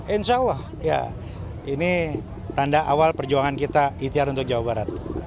insya allah ya ini tanda awal perjuangan kita ikhtiar untuk jawa barat